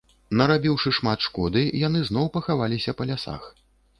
Нарабіўшы шмат шкоды, яны зноў пахаваліся па лясах.